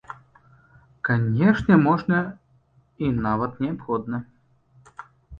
Канешне, можна, і нават неабходна.